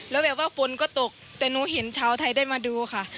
แล้วแบบว่าฝนก็ตกแต่หนูเห็นชาวไทยได้มาดูค่ะ